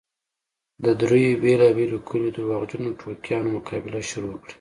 د دريو بېلابېلو کليو درواغجنو ټوکیانو مقابله شروع کړه.